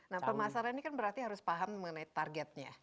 nah pemasaran ini kan berarti harus paham mengenai targetnya